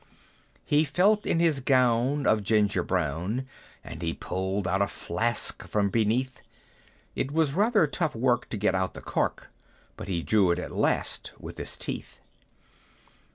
He felt in his gown of ginger brown, And he pulled out a flask from beneath; It was rather tough work to get out the cork, But he drew it at last with his teeth.